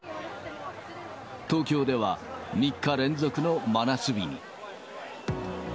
東京では、３日連続の真夏日に。